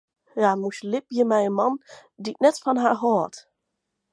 Hja moast libje mei in man dy't net fan har hold.